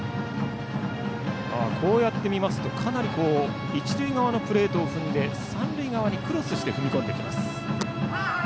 こうやって見ますとかなり一塁側のプレートを踏んで三塁側にクロスして踏み込んできます。